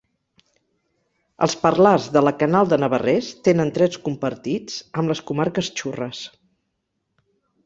Els parlars de la Canal de Navarrés tenen trets compartits amb les comarques xurres.